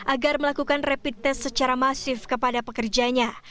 agar melakukan rapid test secara masif kepada pekerjanya